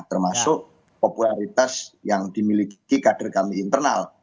termasuk popularitas yang dimiliki kader kami internal